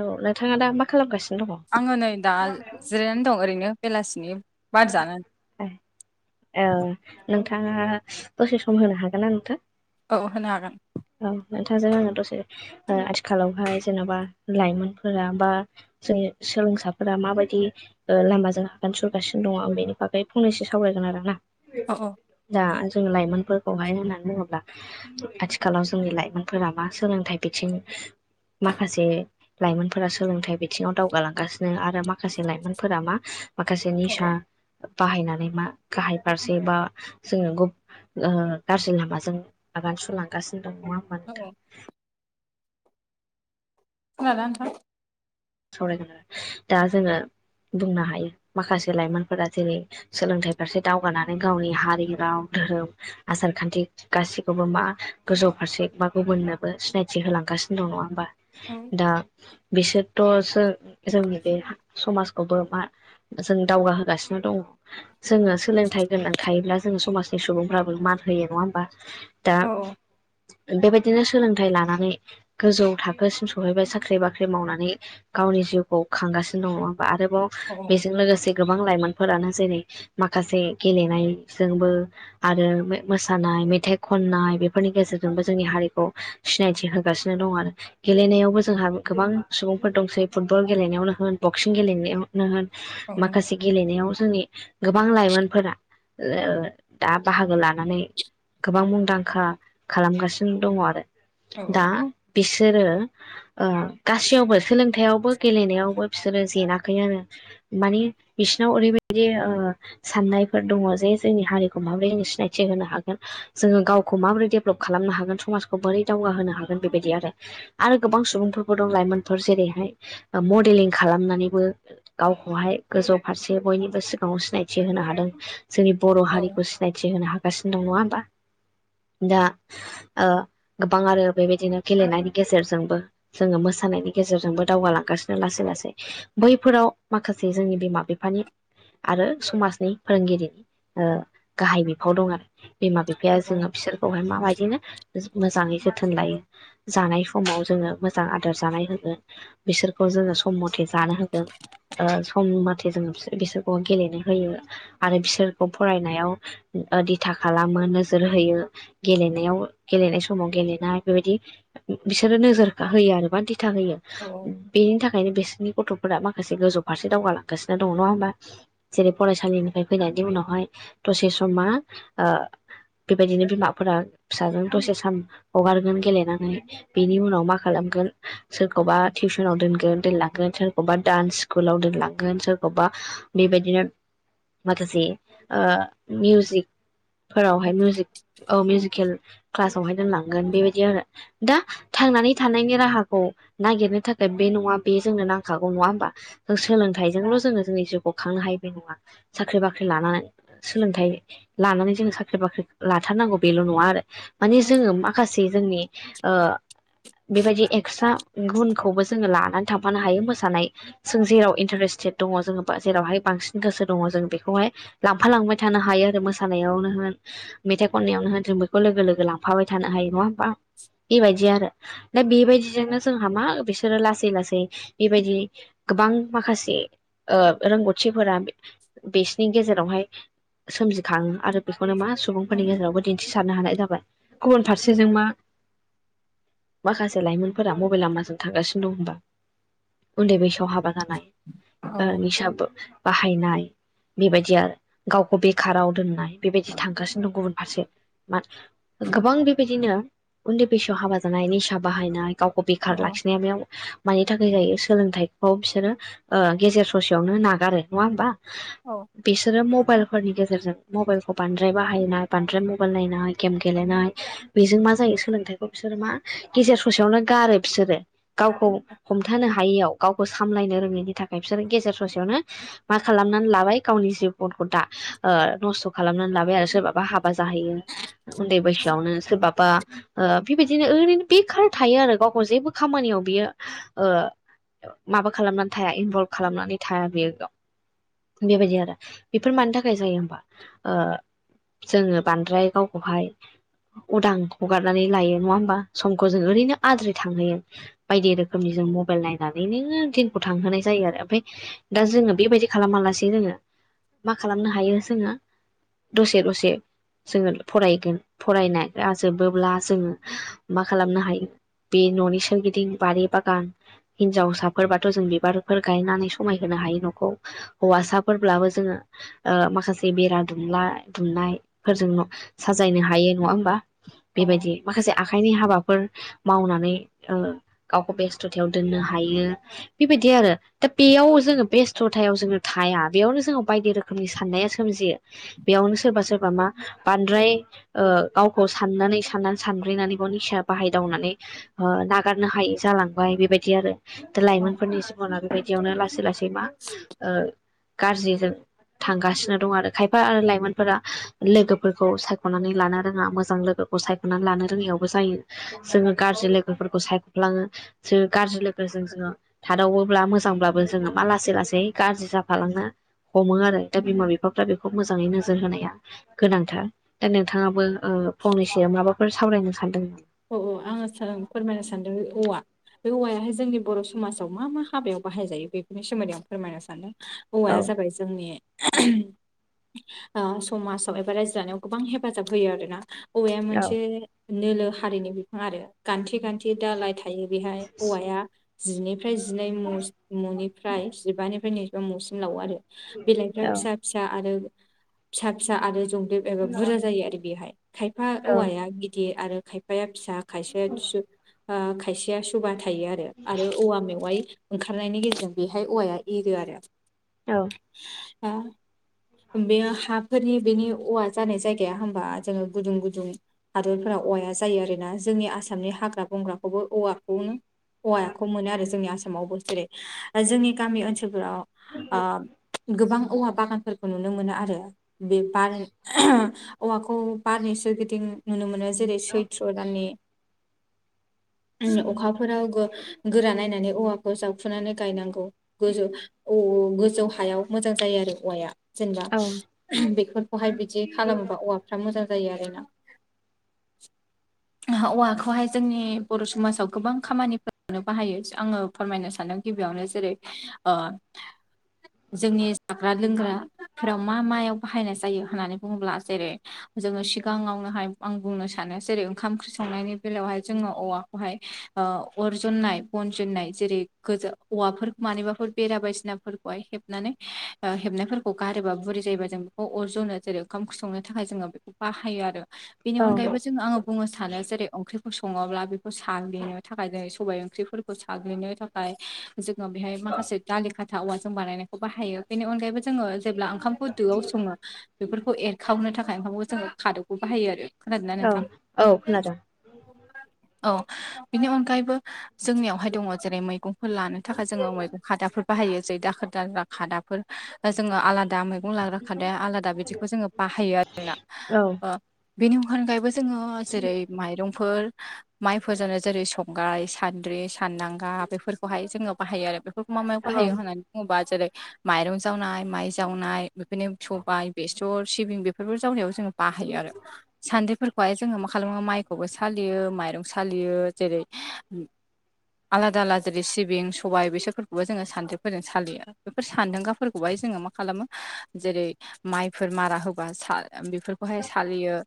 औ नोंथाङा दा मा खालामगासिनो दङ? आङो नै दा जिरायनानै दं ओरैनो बेलासिनि। आ बार [inaudible] जानानै ए ओ नोंथाङा दसे सम होनो हागोन ना नोंथां? औ होनो हागोन। औ नोंथांजों आङो दसे आथिखालावहाय जेन'बा लाइमोनफोरा बा जोंनि सोलोंसाफोरा माबायदि ओ लामाजों आगान सुर गासिनो दङ आं बेनि बागै फंनैसो सावरायगोन आरोना अ अ दा जों लाइमोनफोरखौहाय होननानै बुङोब्ला आथिखालाव जोंनि लाइमोनफोरा मा सोलोंथाइ बिथिं माखासे लाइमोनफोरा सोलोंथाइ बिथिङाव दावगालांगासिनो आरो माखासे लाइमोनफोरा मा माखासे निसा बाहायनानै मा गाहाय फारसे बा जोङो गु ओ गाज्रि लामाजों आगान सुरलांगासिनो दङ नङा नोंथां [unintelligible] खोनादोना नोंथां? सावरायगोन दा जोङो बुंनो हायो माखासे लाइमोनफोरा जेरै सोलोंथाइ फारसे दावगानानै गावनि हारि राव धोरोम आसार खान्थि गासैखौबो मा गोजौ फारसे बा गुबुननोबो सिनायथि होलांगासिनो दं नङा ओमबा औ दा बिसोर थ' जो जोंनि बे समाजखौबो मा जों दावगाहोगासिनो दङ। जोङो सोलोंथाइ गोनां थायोब्ला जोङो समाजनि सुबुंफ्राबो मान होयो नङा ओमबा? दा बेबायदिनो सोलोंथाइ लानानै गोजौ थाखोसिम सहैबाय साख्रि बाख्रि मावनानै गावनि जिउखौ खांगासिनो दङ। बा आरोबाव औ बेजों लोगोसे गोबां लाइमोनफोरानो जेरै माखासे गेलेनायजोंबो आरो मो-मोसानाय मेथाइ खननाय बेफोरनि गेजेरजोंबो जोंनि हारिखौ सिनायथि होगासिनो दं आरो। गेलेनायावबो जोंहा गोबां सुबुं फोर दंसै फुटबल गेलेनायावनो होन बक्सिं गेलेनायावनो होन औ माखासे गेलेनायाव जोंनि गोबां लाइमोनफोरा ओ दा बाहागो लानानै गोबां मुंदांखा खालामगासिनो दङ आरो। औ दा बिसोरो ओ गासैयावबो सोलोंथायावबो गेलेनायावबो बिसोरो जेनाखै आरो। मानि बिसिनाव ओरै बायदि ओ साननायफोर दङ। जे जोंनि हारिखौ माबोरै सिनायथि होनो हागोन। जोङो गावखौ माबोरै डेभलप खालामनो हागोन समाजखौ बोरै दावगाहोनो हागोन बेबायदि आरो। आरो गोबां सुबुंफोरबो दं लाइमोनफोर जेरैहाय मडेलिं खालामनानैबो गावखौहाय गोजौ फारसे बयनिबो सिगाङाव सिनायथि होनो हादों। जोंनि बर' औ हारिखौ सि सिनायथि होनो हागासिनो दं नङा होमबा। दा ओ गोबां आरो बेबायदिनो गेलेनायनि गेजेरजोंबो जोङो मोसानायनि गेजेरजोंबो दावगालांगासिनो लासै लासै बैफोराव माखासे जोंनि बिमा बिफानि आरो समाजनि फोरोंगिरिनि ओ गाहाय बिफाव दं आरो। बिमा बिफाया औ औ जोङो बिसोरखौहाय माबायदिनो जो मोजाङै जोथोन लायो। जानाय समाव जोङो मोजां आदार जानाय होन ओ बिसोरखौ जोङो सम मथे जानो होदों। ओ सम माथे जोङो बिसोर बिसोरखौ गेलेनो होयो। आरो बिसोरखौ फरायनायाव ओ दिथा खालामो नोजोर होयो। गेलेनायाव गेलेनाय समाव गेलेनाय बेबायदि उम बिसोरो नोजोर होयो आरो मा दिथा होयो। बेनि थाखायनो बिसोरनि गथ'फोरा माखासे गोजौ फारसे दावगालांगासिनो दङ नङा होमबा? जेरै फरायसालिनिफ्राय फैनायनि उनावहाय दसे सम मा ओ बेबायदिनो बिमाफोरा फिसाजों दसे साम हगारगोन गेलेनानै। बेनि उनाव मा खालामगोन सो खौबा टिउसनाव दोनगोन दोनलांगोन सोरखौबा दान्स सिकुलाव दोनलांगोन सोरखौबा बेबायदिनो माखासे ओ मिउजिक फोरावहाय मिउजिक औ मिउजिकेल क्लासावहाय दोनलांगोन बेबायदि आरो। दा थांनानै थानायनि राहाखौ नागिरनो थाखाय बे नङा बे जोंनो नांखागौ नङा होमबा? ओ सोलोंथाइजोंल' जोङो जोंनि जिउखौ खांनो हायो बे नङा साख्रि बाख्रि लाना सोलोंथाइ लानानै जोङो साख्रि बाख्रि लाथार नांगौ बेल' नङा आरो। मानि जोङो मा खासे जोंनि ओ बेबायदि एकस्रा उम गुनखौबो जोङो लानानै थांफानो हायो मोसानाय जों जेराव इन्टारेस्टेड दङ जोङो जेरावहाय बांसिन गोसो दङ जों बेखौहाय लांफा लांबाय थानो हायो आरो। मोसानायावनो होन मेथाइ खननायावनो होन जों बेखौ लोगो लोगो लांफाबाय थानो हायो नङा होम बा बेबायदि आरो दा बेबायदि जोंनो जोंहा मा बिसोरो लासै लासै बेबायदि गोबां माखासे ओ रोंगौथिफोरा बे बेसिनि गेजेरावहाय सोमजिखाङो आरो बेखौनो मा सुबुंफोरनि गेजेरावबो दिन्थिसारनो हानाय जाबाय। गुबुन फारसेजों मा माखासे लाइमोन फोरा मबे लामाजों थांगासिनो दं होमबा उन्दै बैसोआव हाबा जानाय ओ निसा बो बाहायनाय बेबायदि आरो गावखौ बेखाराव दोननाय बेबायदि थांगासिनो दं। गुबुन फारसे मान गोबां बेबायदिनो उन्दै बैसोआव हाबा जानाय निसा बाहायनाय। अबिकार्ड लाखिनाया बेयाव मानि थाखाय जायो सोलोंथाइखौ बिसोरो गेजेर ससेयावनो नागारो नङा होमबा। औ बिसोरो मबाइलफोरनि गेजेरजों मबाइलखौ बांद्राय बाहायनाय बांद्राय मबाइल नायनाय गेम गेलेनाय बेजों मा जायो सोलोंथाइखौ बिसोरो मा गेजेर ससेयावनो गारो बिसोरो गावखौ हमथानो हायियाव गावखौ सामलायनो रोङैनि थाखाय बिसोरो गेजेर ससेयावनो मा खालामनानै लाबाय गावनि जिबनखौ दा नस्थ' खालामनानै लाबाय आरो सोरबाबा हाबा जाहैयो उन्दै बैसोआवनो सोरबाबा बेबायदिनो ओरैनो बेखार थायो आरो। गावखौ जेबो खामानियाव बियो माबा खालामनानै थाया इनभल्भ खालामनानै थाया बेयो बेबायदि आरो बेफोर मानि थाखाय जायो होमबा ओ जोंङो बांद्राय गावखौहाय उदां हगारनानै लायो नङा होमबा समखौ जों ओरैनो आद्रि थांहोयो बायदि रोखोमनि जों मबाइल नायनानैनो दिनखौ थांहोनाय जायो आरो ओमफ्राय दा जोंङो बेबायदि खालामा लासे जोंङो मा खालामनो हायो जोंङो दसे दसे जोंङो फरायगोन फरायना जोबोब्ला जोंङो मा खालामनो हायो बे न'नि सोरगिदि बारि बागान हिनजावसाफोरबाथ' जों बिबारफोर गायनानै समायहोनो हायो न'खौ हौवासाफोरब्लाबो जोंङो ओ माखासे बेरा दुमला दुमनाय फोरजों साजायनो हायो नङा होमबा औ बेबायदि माखासे आखाइनि हाबाफोर मावनानै गावखौ बेस्थ'थायाव दोननो हायो बेबायदि आरो दा बेयाव जोंङो बेस्थ'थायाव जोङों थाया बेयावनो जोंङो बायदि रोखोमनि साननाया सोमजियो। बेयावनो सोरबा सोरबा मा बांद्राय ओ गावखौ साननानै साननानै सानग्र्रिनानै गाव निसाया बाहायदावनानै ओ नागारनो हायै जालांबाय बेबायदि आरो दा औ लाइमोनफोरनि जिबना बेबायदियावनो लासै लासै मा ओ गाज्रिजों थांगासिनो दं आरो खायफा आरो लाइमोनफोरा लोगोफोरखौ सायख'नानै लानो रोङा मोजां लोगो खौ सायख'नानै लानो रोङियावबो जायो जोंङो गाज्रि लोगोफोरखौ सायख'लाङो सो गाज्रि लोगोजों जोंङा थादावोब्ला मोजांब्लाबो जोंङो मा लासै लासै गाज्रि जाफालांनो हमो आरो। दा बिमा बिफाफ्रा बेखौ मोजाङै नोजोर होनाया गोनांथार दा नोंथाङाबो ओ फंनैसोआव माबाफोर सावरायनो सान्दों औ औ आङो फोरमायनो सानदों औवा बे औवायाहाय जोंनि बर' समाजाव मा मा हाबायाव बाहायजायो बेफोरनि सोमोन्दै आं फोरमायनो सानदों औ औवाया जाबाय जोंनि ओ समाजाव एबा रायजो जानायाव गोबां हेफाजाब होयो आरोना। औवाया औ मोनसे नोलो हारिनि बिफां आरो गान्थि गान्थि दालाय थायो बेहाय औवाया जिनिफ्राय जिनै न'निफ्राय जिबानिफ्राय नैजिबा न'सिम लावो आरो। बिलाइफ्रा औ फिसा फिसा आरो फिसा फिसा आरो जंबेब एबा बुरजा जायो आरो बेहाय खायफा औ औवाया गिदिर आरो खायफा खायफाया फिसा खायसेया खायसेया सुबा थायो आरो आरो औवा मेवाइ ओंखारनायनि गेजेरजों बेहाय औवाया एरो आरो। औ ओ बेयो हाफोरनि बेनि औवा जानाय जाय गाया होमबा जों गुदुं गुदुं हादरफोराव औवाया जायो आरोना जोंनि आसामनि हाग्रा बंग्राखौबो औवाखौनो औवाखौ मोनो आरो जोंनि आसामावबो जेरै जोंनि गामि ओनसोलफोराव ओ गोबां औवा बागानफोरखौ नुनो मोनो आरो बे बार औवाखौ बारनि सोरगिदिं नुनो मोनो जेरै सैथ्र' दाननि अखाफोरावबो गोरा नायनानै औवाखौ जावखुनानै गायनांगौ गोजौ गोजौ हायाव मोजां जायो आरो औवाया जेनेबा औ बेफोरखौहाय बिदि खालामोबा औवाफ्रा मोजां जायो आरोना औवाखौहाय जोंनि बर' समाजाव गोबां खामानिफोर बाहायो आङो फोरमायनो सानदों गिबियावनो जेरै ओ [inaudible] जोंनि जाग्रा लोंग्राफोराव मा मायाव बाहायनाय जायो होननानै बुङोब्ला जेरै जोङो सिगाङावनोहाय आं बुंनो सानो सानो जेरै ओंखाम ओंख्रि संनायनि बेलायावहाय जोङो औवाखौहाय ओ अर जननाय बन जुननाय जेरै औवाफोर मानिबाफोर बेरा बायदिसिनाफोरखौहाय हेबनानै ओ हेबनायफोरखौ गारोबा बुरि जायोबा जों बेखौ अरजनो जेरै ओंखाम संनो थाखाय जोङो बेखौ बाहायो आरो बेनि औ अनगायैबो जोङो आङो बुंनो सानो जेरै ओंख्रिखौ सङोब्ला बे खौ साग्लिनो थाखाय जों सबायाइ ओंख्रिफोरखौ साग्लिनो थाखाय जोङो बेहाय माखासे दालि खाथा औवाजों बानायनायखौ बाहायो बेनि अनगायैबो जोङो जेब्ला ओंखामखौ दोआव सङो बेफोरखौ एरखावनो थाखाय ओंखामखौ जोङो खादबखौ बाहायो आरो खोनादों ना? औ [inaudible] औ खोनादों औ बिनि अनगायैबो जोंनियावहाय दङ जेरै मैगंफोर लानो थाखाय जोङो मैगं खादाफोरखौ बाहायो जै दाखोर दाला खादाफोर जोङो आलादा मैगं लाग्रा खादाया आलादा बिदिखौ जोङो बाहायो आरोना औ बेनि अनगायैबो जोङो जेरै माइरंफोर माइफोरजोंनो जेरै संग्राय सान्द्रि सानदांगा बेफोरखौहाय जोङो बाहायो आरो बेफोरखौ मा मायाव औ बाहायो होननानै बुङोबा जेरै माइरं जावनाय माइ जावनाय बेफोरनो सबाय बेसर सिबिं बेफोरबो जावनायाव जोङो बाहायो आरो सान्द्रिफोर खौहाय जोङो मा खालामो माइखौबो सालियो माइरं सालियो जेरै आलादा आलादा जेरै सिबिं सबाय बिसरफोरखौबो जोङो सानद्रिफोरजों सालियो। बेफोर सान्दांगाफोरखौहाय जोङो मा खालामो जेरै माइफोर मारा होबा बेफोरखौहाय सालियो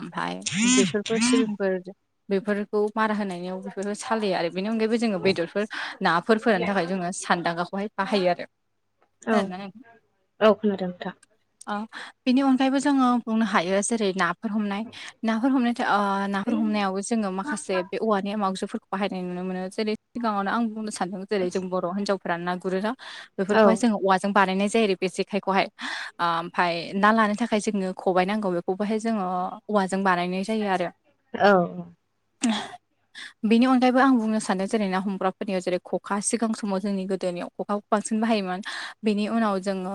ओमफ्राय बेसरफोर सिबिंफोर बेफोरखौ मारा होनायाव बेफोर सालिया आरो बेनि अनगायैबो जोङो बेदरफोर नाफोर फोराननो थाखाय जोङो सानदांगाखौहाय बाहायो आरो। औ खोनादोंना औ खोनादों नोंथा अ बेनि अनगायैबो जोङो बुंनो हायो जेरै नाफोर हम नाफोर हमनाय ओ नाफोर हमनायावबो जोङो माखासे बे औवानि आगजुफोरखौ बाहायनाय नुनो मोनो जेरै सिगाङावनो आं बुंनो सानदों जेरै जों बर' हिन्जावफोरा ना गुरोना औ बेफोरखौहाय जों औवा जों बानायनाय जायो आरो बे जेखायखौहाय ओमफाय ना लानो थाखाय जोंनो खबाइ नांगौ बेखौबोहाय जोङो औवाजों बानायनाय जायो आरो औ बेनि अनगायैबो आं बुंनो सानो जेरै ना हमग्राफोरनियाव जेरै खखा सिगां समाव जोंनि गोदोनियाव खखा बांसिन बाहायोमोन बेनि उनाव जोङो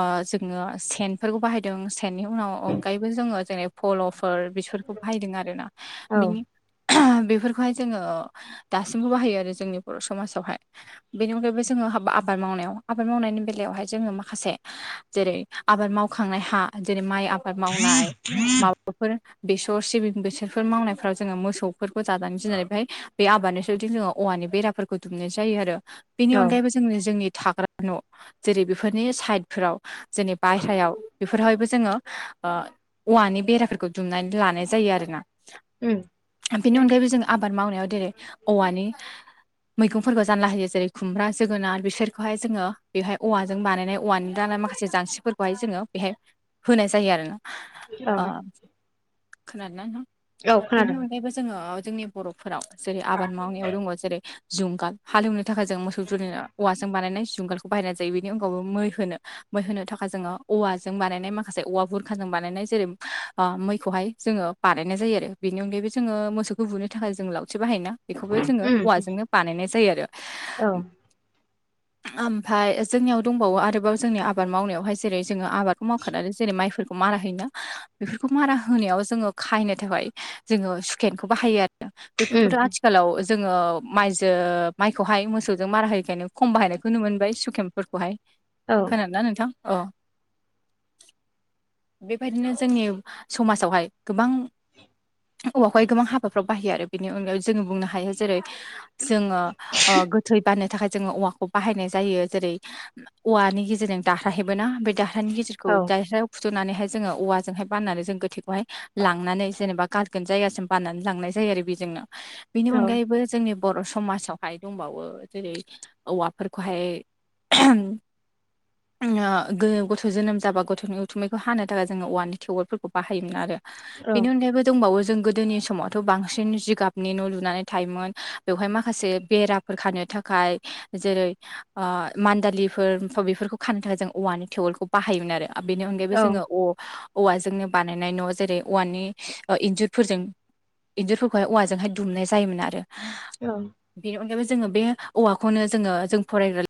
ओ जोङो सेनफोरखौ बाहायदों सेननि उनाव अनगायैबो जोङो जेरै फल' फोर बेसोरखौ बाहायदों आरोना औ बिनि बेफोरखौहाय जोङो दासिमबो बाहायो आरो जोंनि बर' समाजावहाय बेनि अनगायैबो जोङो हाबा आबाद मावनायाव आबाद मावनायनि बेलायावहाय जोङो माखासे जेरै आबाद मावखांनाय हा जेरै माइ आबाद मावनाय माबाफोर बेसर सिबिं बेसरफोर मावनायफ्राव जोङो मोसौफोरखौ जानानै गिनानै बेहाय बे आबादनिफ्राय बिदि जोङो औवानि बेरा फोरखौ दुमनाय जायो आरो बेनि औ अनगायैबो जोङो जोंनि थाग्रा न' जेरै बेफोरनि साइड फोराव जोंनि बायह्रायाव बेफोरहायबो जोङो औवानि बेराफोरखौ दुमनानै लानाय जायो आरोना। उम बेनि अनगायैबो जों आबाद मावनायाव देरै औवानि मैगंफोरखौ जानला होयो जेरै खुमब्रा जोगोनार बिसोरखौहाय जोङो बेवहाय औवाजों बानायनाय अवानि दाना माखासे जांसिफोरखौहाय जोङो बेहाय होनाय जायो आरोना। औ ओ खोनादोंना नोंथां? औ बेनि खोनादों अनगायैबो जोङो जोंनि बर'फोराव जेरै आबाद मावनायाव दङ जेरै जुंगाल हालेवनो थाखाय जों मोसौ जुरिनो औवाजों बानायनाय जुंगाल बाहायनाय जायो बेनि अनगाबो मै होनो मै होनो थाखाय जोङो औवाजों बानायनाय माखासे औवा बुरखाजों बानायनाय जेरै ओ मैखौहाय जोङो बानायनाय जायो आरो बेनि अनगायैबो जोङो मोसौखौ बुनो थाखाय जों लावथि बाहायोना। बेखौबो जोङो उम औवाजोंनो बानायनाय जायो आरो। औ ओमफाय जोंनियाव दंबावो आरोबाव जोंनि आबाद मावनायावहाय जेरै जोङो आबादखौ मावखानानै जेरै माइफोरखौ मारा होयोना। बेफोरखौ मारा होनायाव जोङो खायनो थाखाय जोङो सुकेनखौ बाहायो आरो बेफोरखौथ' उम आथि खालाव जोङो माइजो माइखौहाय मोसौजों मारा होयैखायनो खम बाहायनायखौ नुनो मोनबाय सुकेम फोरखौहाय औ खोनादों ना नोंथां औ बेबायदिनो जोंनि समाजावहाय गोबां औवाखौहाय गोबां हाबाफ्राव बाहायो आरो बेनि अनगायै जोङो बुंनो हायो जेरै जोङो ओ गोथै बाननो थाखाय जोङो औवाखौ बाहायनाय जायो जेरै औवानि गेजेरजों दारहा हेबोना बे दारहानि गेजेरखौ औ दारहायाव फुथुनानैहाय जोङो औवा जोंहाय बाननानै जों गोथैखौहाय लांनानै जेनेबा गारगोन जायगासिम बाननानै लांनाय जायो आरो बेजोंनो बेनि औ अनगायैबो जोंनि बर' समाजावहाय दंबावो जेरै औवाफोरखौहाय [inaudible] ओ गो गथ' जोनोम जाबा गथ'नि उथुमैखौ हानो थाखाय जोङो औवानि थेवोलफोरखौ बाहायोमोन आरो औ बेनि अनगायैबो दोंबावो जों गोदोनि समावथ' बांसिन जिगाबनि न' लुनानै थायोमोन बेवहाय माखासे बेरा फोर खानो थाखाय जेरै ओ मान्दालिफोर बेफोरखौ खानो थाखाय जों औवानि टेवोलखौ बाहायोमोन आरो। बेनि अनगायैबो औ जोङो अ औवाजोंनो बानायनाय न' जेरै औवानि ओ इन्जुरफोरजों इन्जुरफोरखौहाय औवाजोंहाय दुमनाय जायोमोन आरो। [inaudible] बेनि अनगायैबो जोङो बे औवाखौनो जोङो जों फरायग्रा